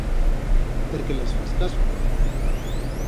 Per qué les fas caso?